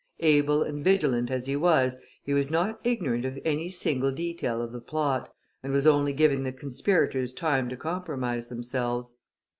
Able and vigilant as he was, he was not ignorant of any single detail of the plot, and was only giving the conspirators time to compromise themselves.